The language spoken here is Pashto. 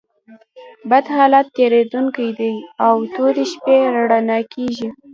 بد حالت تېرېدونکى دئ او توري شپې رؤڼا کېږي.